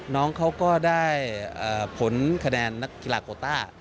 น้องเขาก็ได้ผลคะแนนนักกีฬาโคต้า